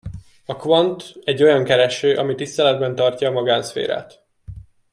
A Qwant egy olyan kereső, ami tiszteletben tartja a magánszférát.